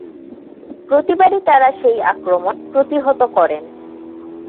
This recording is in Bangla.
প্রতিবারই তারা সেই আক্রমণ প্রতিহত করেন।